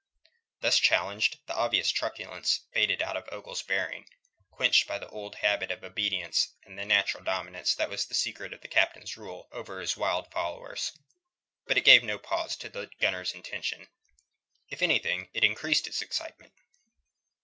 Thus challenged, the obvious truculence faded out of Ogle's bearing, quenched by the old habit of obedience and the natural dominance that was the secret of the Captain's rule over his wild followers. But it gave no pause to the gunner's intention. If anything it increased his excitement.